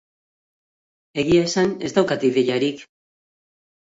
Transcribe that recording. Egia esan ez daukat ideiarik.